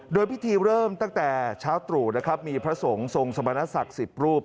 โดยพิธีเริ่มตั้งแต่เช้าตรู่นะครับมีพระสงฆ์ทรงสมณศักดิ์๑๐รูป